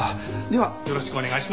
ではよろしくお願いします。